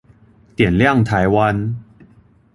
點亮台灣